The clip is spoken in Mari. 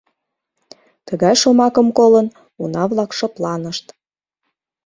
Тыгай шомакым колын, уна-влак шыпланышт.